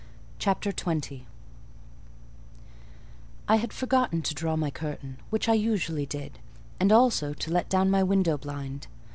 CHAPTER XX I had forgotten to draw my curtain, which I usually did, and also to let down my window blind.